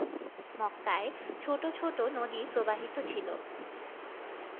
মক্কায় ছোট ছোট নদী প্রবাহিত ছিল।